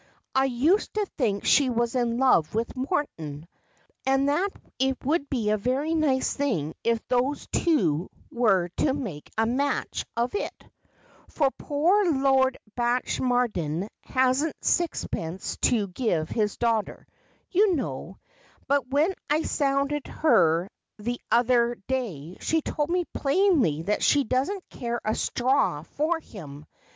I used to think she was in love with Morton, and that it would be a very nice thing if those two were to make a match of it, for poor Lord Blatchmardean hasn't sixpence to give his daughter, you know — but when I sounded her the other day she told me plainly that she doesn't care a straw for him.